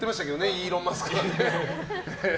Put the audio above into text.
イーロン・マスクがね。